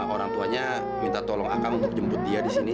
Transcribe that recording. orang tuanya minta tolong akan untuk jemput dia di sini